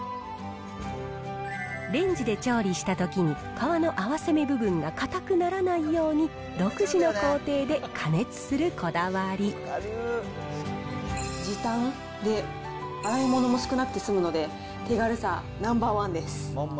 レンジで調理したときに、皮の合わせ目部分が硬くならないように、時短、で、洗い物も少なくて済むので、手軽さナンバー１です。